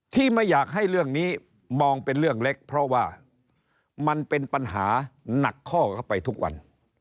ไม่อยากให้เรื่องนี้มองเป็นเรื่องเล็กเพราะว่ามันเป็นปัญหาหนักข้อเข้าไปทุกวัน